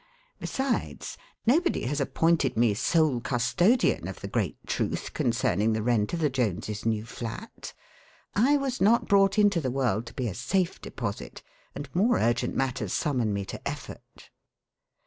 Besides, nobody has appointed me sole custodian of the great truth concerning the rent of the Joneses' new flat. I was not brought into the world to be a safe deposit, and more urgent matters summon me to effort.'